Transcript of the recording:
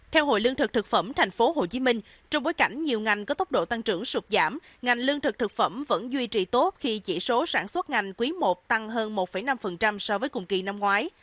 theo hội lương thực thực phẩm tp hcm trong bối cảnh nhiều ngành có tốc độ tăng trưởng sụp giảm ngành lương thực thực phẩm vẫn duy trì tốt khi chỉ số sản xuất ngành quý i tăng hơn một năm so với cùng kỳ năm ngoái